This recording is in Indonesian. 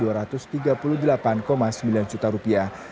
harta bergerak senilai dua ratus tiga puluh delapan sembilan juta rupiah